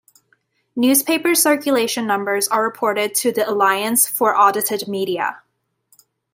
Newspaper circulation numbers are reported to the Alliance for Audited Media.